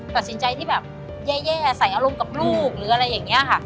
ตัดสินใจที่แบบแย่ใส่อารมณ์กับลูกหรืออะไรอย่างนี้ค่ะ